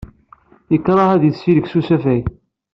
Yekṛeh ad yessilek s usafag.